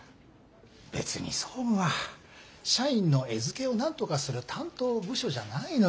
別に総務は社員の餌付けをなんとかする担当部署じゃないのに。